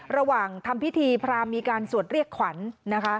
ระหว่างทำพิธีพรามมีการสวดเรียกขวัญนะคะ